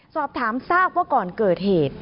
สอบถามทราบว่าก่อนเกิดเหตุ